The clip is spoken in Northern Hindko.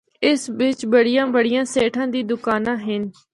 اس بچ بڑیاں بڑیاں سیٹھاں دی دوکاناں ہن۔